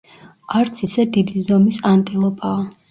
არც ისე დიდი ზომის ანტილოპაა.